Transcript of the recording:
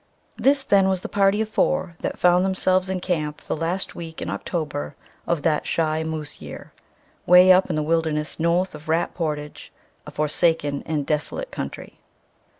This, then, was the party of four that found themselves in camp the last week in October of that "shy moose year" 'way up in the wilderness north of Rat Portage a forsaken and desolate country.